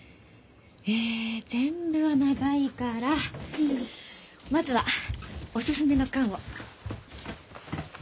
え全部は長いからまずはおすすめの巻を。